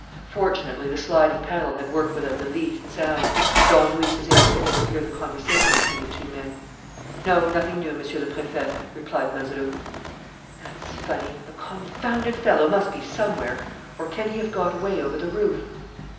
Fortunately, the sliding panel had worked without the least sound; and Don Luis was able to overhear the conversation between the two men. "No, nothing new, Monsieur le Préfet," replied Mazeroux. "That's funny. The confounded fellow must be somewhere. Or can he have got away over the roof?"